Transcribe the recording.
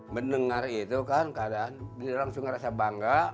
mendengar itu kan kadang kadang langsung merasa bangga